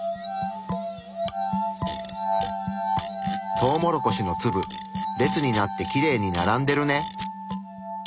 トウモロコシの粒列になってきれいに並んでるね。